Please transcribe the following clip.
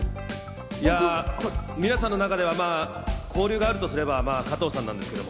皆さんの中では交流があるとすれば、まぁ加藤さんなんですけど。